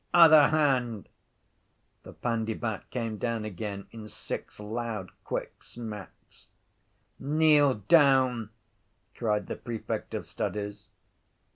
—Other hand! The pandybat came down again in six loud quick smacks. —Kneel down! cried the prefect of studies.